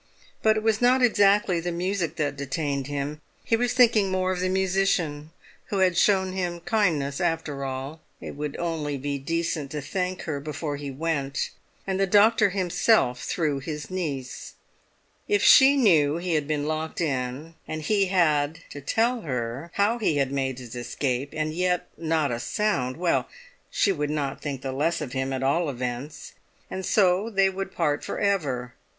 But it was not exactly the music that detained him; he was thinking more of the musician, who had shown him kindness, after all. It would be only decent to thank her before he went, and the doctor himself through his niece. If she knew he had been locked in, and he had to tell her how he had made his escape and yet not a sound—well, she would not think the less of him at all events, and so they would part for ever.